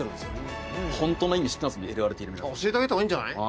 教えてあげた方がいいんじゃない。